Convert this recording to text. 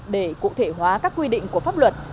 để cụ thể hóa các quy định của pháp luật